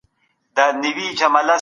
لويه جرګه د نوي اساسي قانون طرحه څېړي.